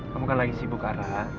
kamu kan lagi sibuk arah